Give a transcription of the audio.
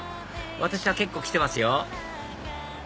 私は結構来てますよ